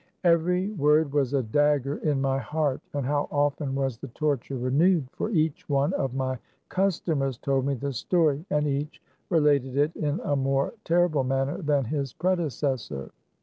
Every word was a dagger in my heart. And how often was the torture renewed ; for each one of my customers told me the story ; and each related it in a more terrible manner than his predecessor.